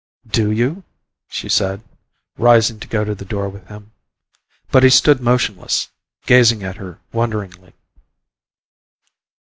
"Do you?" she said, rising to go to the door with him. But he stood motionless, gazing at her wonderingly.